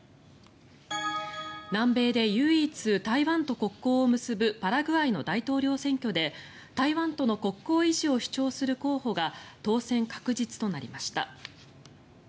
南米で唯一台湾と国交を結ぶパラグアイの大統領選挙で台湾との国交維持を主張する候補が当選確実となりました。